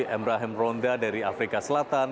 emrahim ronda dari afrika selatan